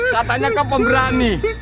katanya kau pemberani